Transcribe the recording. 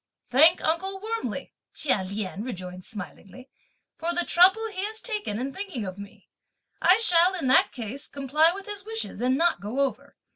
"Thank uncle warmly," Chia Lien rejoined smilingly, "for the trouble he has taken in thinking of me; I shall, in that case, comply with his wishes and not go over.